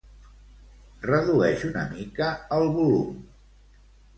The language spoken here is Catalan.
Redueix una mica el volum.